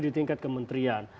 di tingkat kementerian